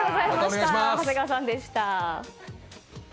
長谷川さんでした。